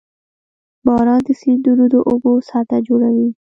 • باران د سیندونو د اوبو سطحه لوړوي.